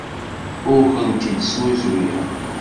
Ur kent-id-snuzuyeɣ.